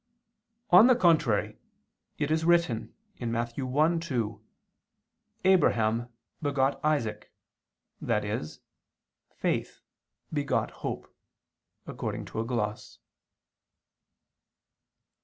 On the contrary, It is written (Matt. 1:2): "Abraham begot Isaac," i.e. "Faith begot hope," according to a gloss.